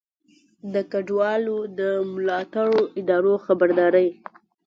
د کډوالو د ملاتړو ادارو خبرداری